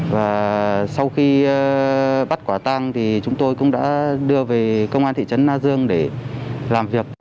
và sau khi bắt quả tăng thì chúng tôi cũng đã đưa về công an thị trấn na dương để làm việc